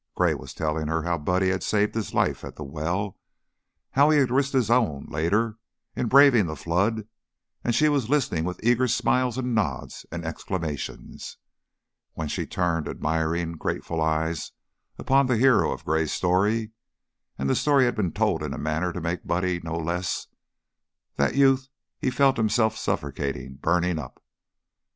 Gray was telling her how Buddy had saved his life at the well, how he had risked his own, later, in braving the flood, and she was listening with eager smiles and nods and exclamations. When she turned admiring, grateful eyes upon the hero of Gray's story and the story had been told in a manner to make Buddy no less that youth felt himself suffocating, burning up.